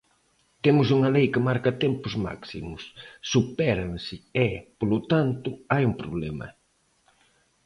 Temos unha lei que marca tempos máximos, supéranse e, polo tanto, hai un problema.